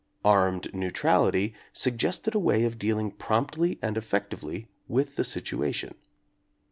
"Armed neutrality" suggested a way of dealing promptly and effectively with the situation.